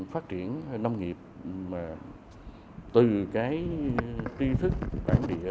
phát triển nông nghiệp mà từ cái tri thức quản địa